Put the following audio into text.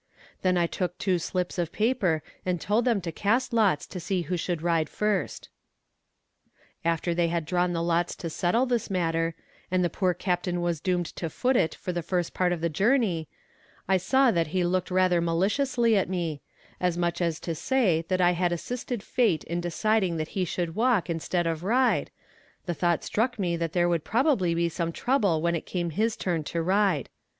Then I took two slips of paper and told them to cast lots to see who should ride first. After they had drawn the lots to settle this matter, and the poor captain was doomed to foot it the first part of the journey, and I saw that he looked rather maliciously at me, as much as to say that I had assisted fate in deciding that he should walk instead of ride, the thought struck me that there would probably be some trouble when it came his turn to ride.